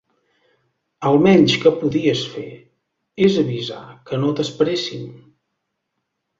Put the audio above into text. El menys que podies fer és avisar que no t'esperéssim.